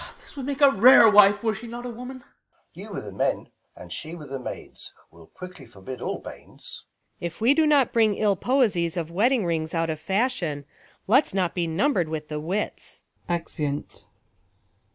Ben. This would make a rare wife, were she not A Avoman. Balt. You with the men, and she with the maids, will Quickly forbid all banes. Luc. If we do not Bring ill poesie ■■ of wedding rings out of Fashion, let's not be numbred with the wits. lEzeunt.